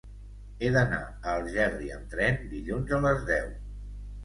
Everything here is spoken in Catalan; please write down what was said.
He d'anar a Algerri amb tren dilluns a les deu.